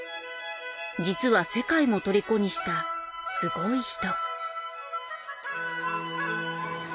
実は世界もとりこにしたすごい人。